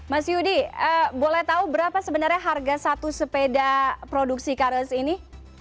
mas yudi boleh tahu berapa sebenarnya harga satu sepeda produksi karos ini